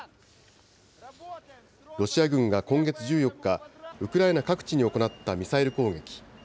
ロシア軍が今月１４日、ウクライナ各地に行ったミサイル攻撃。